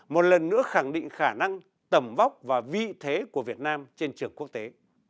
một lần nữa khẳng định khả năng tầm vóc và vị thế của việt nam trên trường quốc tế